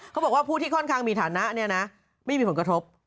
เขาบอกว่าผู้ที่ค่อนข้างมีฐานะเนี่ยนะไม่มีผลกระทบ